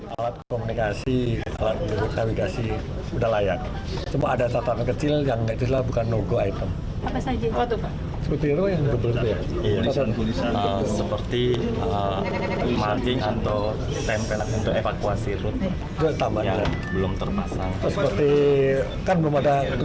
alat komunikasi alat navigasi sudah layak